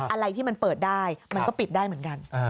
อะไรที่มันเปิดได้มันก็ปิดได้เหมือนกัน